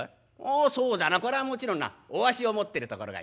「あそうだなこれはもちろんな御足を持ってるところがいいな。